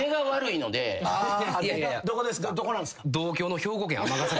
どこなんすか？